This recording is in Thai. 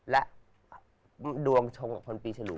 และดวงชมคนปีชลุ